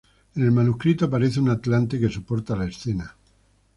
En el manuscrito aparece un atlante que soporta la escena.